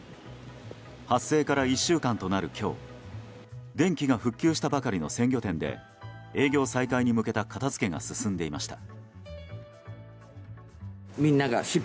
発生から１週間となる今日電気が復旧したばかりの鮮魚店で営業再開に向けた片付けが進んでいました。